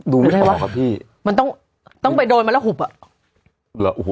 ดูไม่ออกครับพี่มันต้องต้องไปโดยมันแล้วหุบอ่ะ